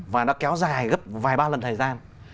và nó kéo dài gấp vài ba lần thời gian